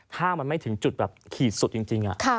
ถ้ามันไม่ถึงจุดแบบขีดสุดจริง